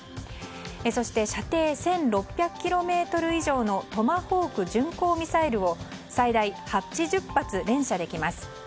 そして、射程１６００ｋｍ以上のトマホーク巡航ミサイルを最大８０発連射できます。